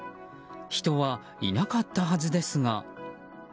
人はいなかったはずですが。